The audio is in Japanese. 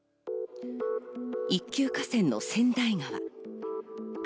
一級河川の川内川。